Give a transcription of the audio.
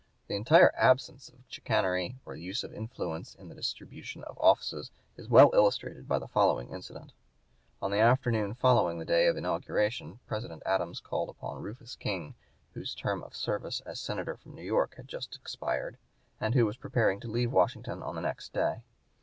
The entire absence of chicanery or the use of influence in the distribution of offices is well illustrated by the following incident: On the afternoon following the day of inauguration President Adams called upon Rufus King, whose term of service as Senator from New York had just expired, and who was preparing to leave Washington on the next day.